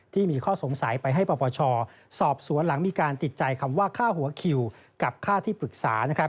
ที่มีข้อสงสัยไปให้ปปชสอบสวนหลังมีการติดใจคำว่าค่าหัวคิวกับค่าที่ปรึกษา